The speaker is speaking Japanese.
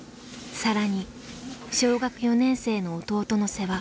更に小学４年生の弟の世話。